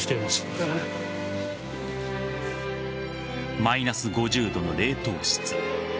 マイナス５０度の冷凍室。